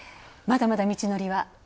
まだまだ道のりは。